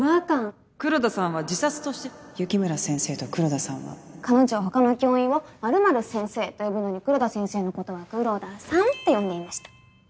黒田さんは自殺として雪村先生と黒田さんは彼女は他の教員を○○先生と呼ぶのに黒田先生のことは「黒田さん」って呼んでいました。